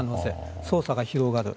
捜査が広がる。